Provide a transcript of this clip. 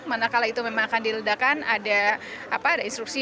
mana kala itu memang akan diledakan ada instruksi